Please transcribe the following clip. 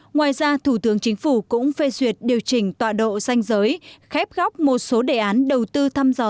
ngoài ra thủ tướng chính phủ cũng phê duyệt điều chỉnh tọa độ danh giới khép một số đề án đầu tư thăm dò